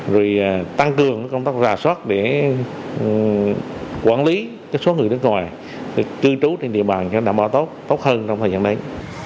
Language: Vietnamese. rồi tăng cường công tác rà soát để quản lý số người nước ngoài cư trú trên địa bàn cho nó đảm bảo tốt tốt hơn trong thời gian đấy